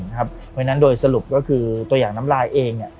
เพราะฉะนั้นโดยสรุปก็คือตัวอย่างน้ำลายเอง